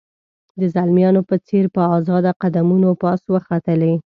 د زلمیانو په څېر په آزاده قدمونو پاس وختلې.